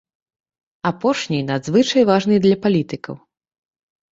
Апошні надзвычай важны для палітыкаў.